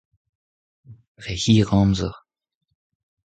Dre hir amzer.